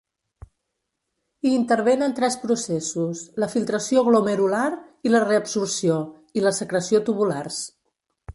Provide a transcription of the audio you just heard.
Hi intervenen tres processos: la filtració glomerular i la reabsorció i la secreció tubulars.